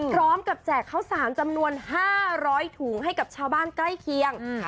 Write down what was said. แจกข้าวสารจำนวน๕๐๐ถุงให้กับชาวบ้านใกล้เคียง